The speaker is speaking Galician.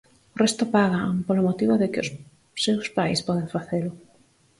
O resto pagan, polo motivo de que os seus pais poden facelo.